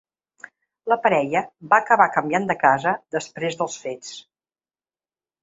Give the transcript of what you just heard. La parella va acabar canviant de casa després dels fets.